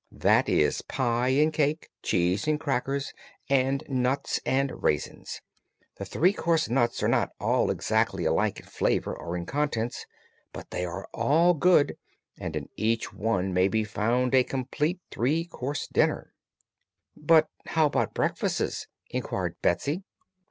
That is, pie and cake, cheese and crackers, and nuts and raisins. The Three Course Nuts are not all exactly alike in flavor or in contents, but they are all good and in each one may be found a complete three course dinner." "But how about breakfasts?" inquired Betsy.